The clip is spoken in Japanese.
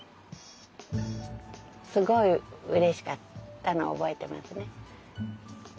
すごいうれしかったのを覚えてますね。